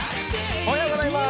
おはようございます。